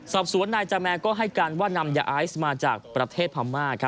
สรรพสวนาแจมแมก็ให้การว่านำยาไอซ์มาจากประเทศภามาก